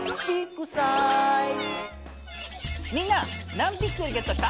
みんな何ピクセルゲットした？